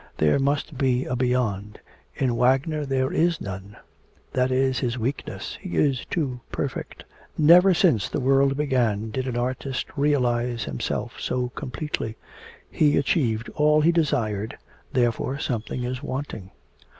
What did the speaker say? There must be a beyond. In Wagner there is none. That is his weakness. He is too perfect. Never since the world began did an artist realise himself so completely. He achieved all he desired, therefore something is wanting.